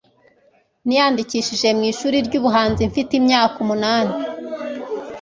Niyandikishije mu ishuri ryubuhanzi mfite imyaka umunani